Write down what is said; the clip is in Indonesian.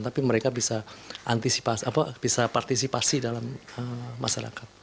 tapi mereka bisa antisipasi bisa partisipasi dalam masyarakat